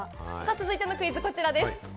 続いてのクイズはこちらです。